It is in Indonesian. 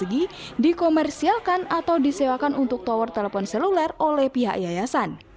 lagi dikomersialkan atau disewakan untuk tower telepon seluler oleh pihak yayasan